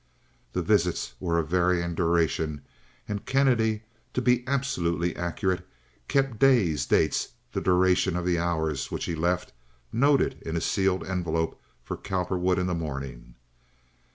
The visits were of varying duration, and Kennedy, to be absolutely accurate, kept days, dates, the duration of the hours, which he left noted in a sealed envelope for Cowperwood in the morning.